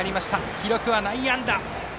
記録は内野安打。